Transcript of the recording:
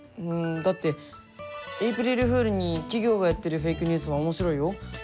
うんだってエイプリルフールに企業がやってるフェイクニュースも面白いよ。